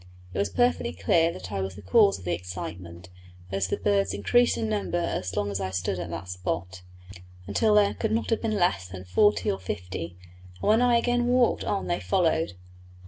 It was perfectly clear that I was the cause of the excitement, as the birds increased in number as long as I stood at that spot, until there could not have been less than forty or fifty, and when I again walked on they followed.